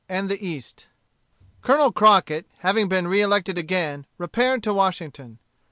Rapid Improvement. Colonel Crockett, having been reelected again repaired to Washington.